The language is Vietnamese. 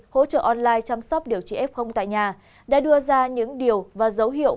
hỗ trợ online chăm sóc điều trị f tại nhà đã đưa ra những điều và dấu hiệu